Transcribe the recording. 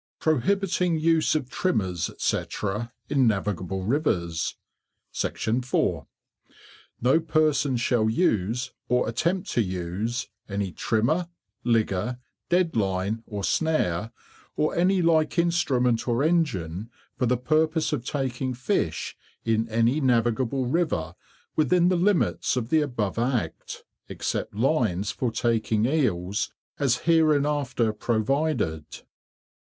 PROHIBITING USE OF TRIMMERS, &C., IN NAVIGABLE RIVERS. 4. No person shall use, or attempt to use, any Trimmer, Ligger, Dead Line, or Snare, or any like Instrument or Engine, for the purpose of taking Fish in any navigable river within the limits of the above Act, except Lines for taking Eels as hereinafter provided.